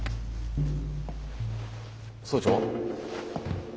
総長？